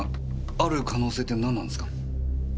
ある可能性って何なんですか？